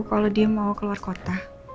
kalau dia mau keluar kota